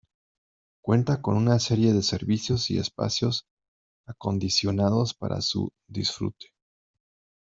Cuenta con una serie de servicios y espacios acondicionados para su disfrute.